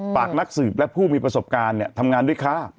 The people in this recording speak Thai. ฝากนักสืบและผู้มีประสบการณ์ทำงานด้วยค่ะ